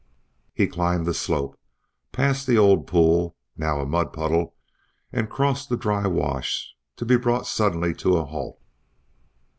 He climbed the slope, passed the old pool, now a mud puddle, and crossed the dry wash to be brought suddenly to a halt.